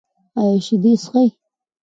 ایا شیدې څښئ؟